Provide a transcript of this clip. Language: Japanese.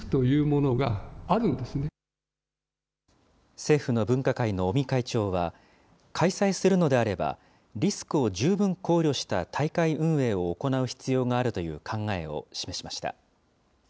政府の分科会の尾身会長は、開催するのであれば、リスクを十分考慮した大会運営を行う必要があるという考えを示しました。